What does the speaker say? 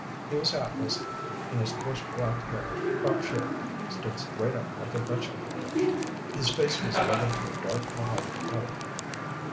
He was hatless and his coarse black hair, cropped short, stood straight up like a vegetable brush. His face was weathered to a dark mahogany color.